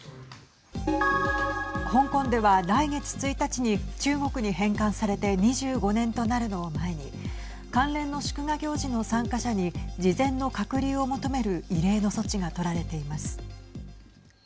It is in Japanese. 香港では来月１日に中国に返還されて２５年となるのを前に関連の祝賀行事の参加者に事前の隔離を求める異例の措置が取られています。